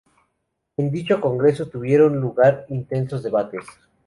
En dicho congreso tuvieron lugar intensos debates.